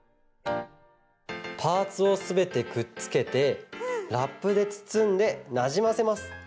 パーツをすべてくっつけてラップでつつんでなじませます。